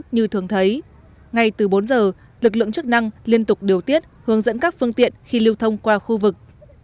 như thường thấy ngay từ bốn giờ lực lượng chức năng liên tục điều tiết hướng dẫn các phương tiện khi lưu thông qua khu vực